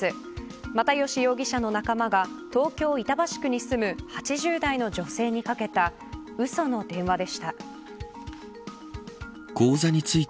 又吉容疑者の仲間が東京、板橋区に住む８０代の女性にかけたうその電話でした。